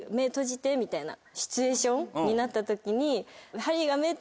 みたいなシチュエーションになった時にハリーが。